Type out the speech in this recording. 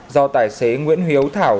do tài xế nguyễn huyếu thảo